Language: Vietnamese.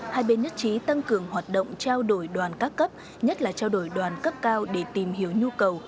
hai bên nhất trí tăng cường hoạt động trao đổi đoàn các cấp nhất là trao đổi đoàn cấp cao để tìm hiểu nhu cầu